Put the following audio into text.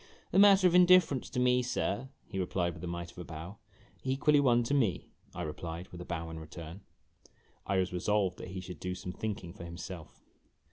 "A matter of indifference to me, sir," he replied with a mite of a bow. " Equally one to me," I replied, with a bow in return. I was resolved that he should do some thinking for himself.